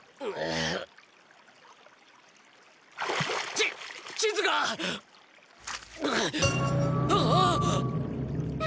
ち地図が！ああ！